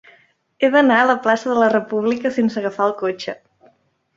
He d'anar a la plaça de la República sense agafar el cotxe.